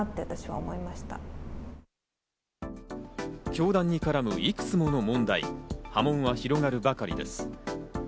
教団に絡む、いくつもの問題、波紋は広がるばかりです。